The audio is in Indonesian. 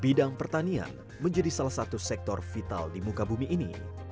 bidang pertanian menjadi salah satu sektor vital di muka bumi ini